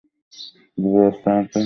যুবরাজ তাহাতে ব্যাঘাত করিলেন।